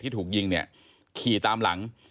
ถูกยิงเนี่ยขี่ตามหลัง